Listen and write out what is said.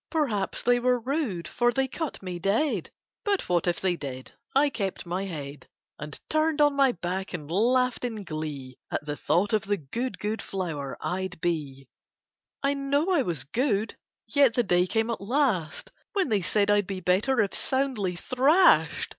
Perhaps they were rude for they cut me dead But what if they did? I kept my head And turned on my back and laughed in glee At the thought of the good, good flour I'd be. I know I was good, yet the day came at last When they said I'd be better if soundly thrashed.